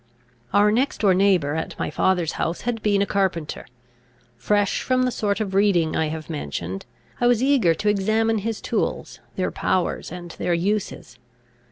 Our next door neighbour at my father's house had been a carpenter. Fresh from the sort of reading I have mentioned, I was eager to examine his tools, their powers and their uses.